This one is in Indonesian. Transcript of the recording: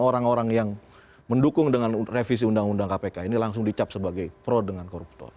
orang orang yang mendukung dengan revisi undang undang kpk ini langsung dicap sebagai pro dengan koruptor